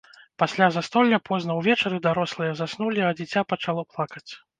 Пасля застолля позна ўвечары дарослыя заснулі, а дзіця пачало плакаць.